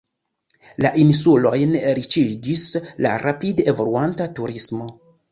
La insulojn riĉigis la rapide evoluanta turismo.